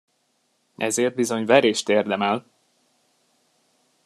Ezért bizony verést érdemel!